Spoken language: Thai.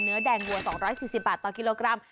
เนื้อแดงวัว๒๔๐บาทต่อกิโลกรัม